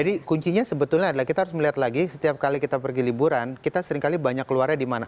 jadi kuncinya sebetulnya adalah kita harus melihat lagi setiap kali kita pergi liburan kita sering kali banyak keluarnya di mana